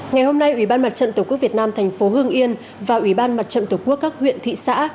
ngày hôm nay ủy ban mặt trận tổ quốc việt nam thành phố hương yên và ủy ban mặt trận tổ quốc các huyện thị xã